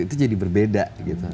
itu jadi berbeda gitu